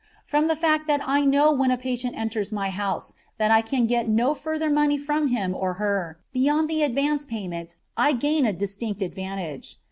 From the fact that I know when a patient enters my house that I can get no further money from him or her beyond the advance payment I gain a distinct advantage.